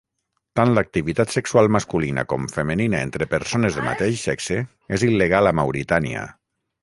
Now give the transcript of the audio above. Tant l'activitat sexual masculina com femenina entre persones del mateix sexe és il·legal a Mauritània.